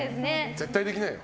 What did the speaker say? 絶対できないよ。